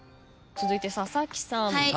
続いて佐々木さん。